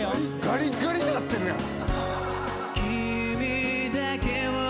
ガリッガリなってるやん！